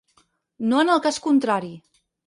No en el cas contrari!